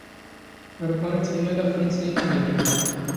ⴰⵔ ⵓⴽⴰⵏ ⵉⵜⵜⵃⵉⵢⵢⴰⵍ ⵉⵅⴼ ⵏⵏⵙ ⵉ ⵢⵉⵔⵉⵎ.